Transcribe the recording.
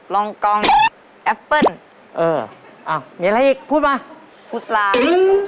ลองกองแอปเปิลอืมพูดมาเหมือนไร